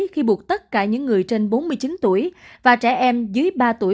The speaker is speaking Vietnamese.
khi buộc tất cả những người trên bốn mươi chín tuổi và trẻ em dưới ba tuổi